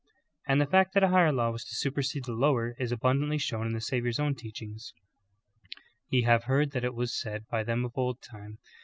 "*" And the fact that a higher law was to supersede the lower is abundantly shown in the Savior's own teachings : "Ye have heard that it was said by them of old time.